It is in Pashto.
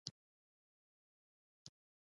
د روحي او معنوي سکون ورکولو ترڅنګ پیغامونه خپروي.